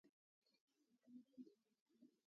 د چابهار بندر سوداګریزه لاره ده